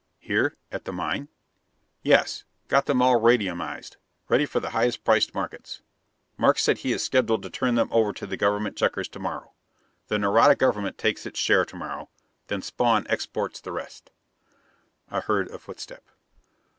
"Here at the mine?" "Yes. Got them all radiuminized, ready for the highest priced markets. Markes says he is scheduled to turn them over to the government checkers to morrow. The Nareda government takes its share to morrow; then Spawn exports the rest." I heard a footstep.